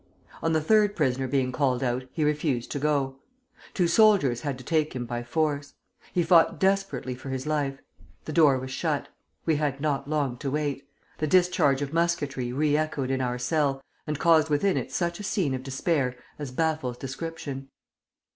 On the third prisoner being called out, he refused to go. Two soldiers had to take him by force. He fought desperately for his life. The door was shut. We had not long to wait; the discharge of musketry re echoed in our cell, and caused within it such a scene of despair as baffles description.